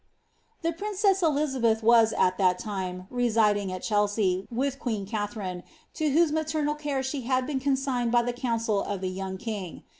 The princess Elizabeth was, at that time, residing at Chelsea, with queen Katharine, to whose maternal care she had been consigned by the council of the young king.